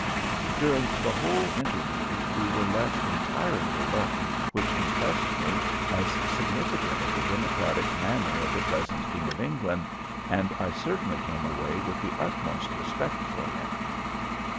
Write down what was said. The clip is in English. During the whole interview we were left entirely alone, which impressed me as significant of the democratic manner of the present King of England, and I certainly came away with the utmost respect for him.